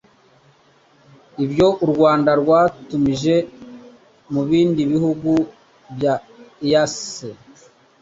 Ibyo u Rwanda rwatumije mu bindi bihugu bya EAC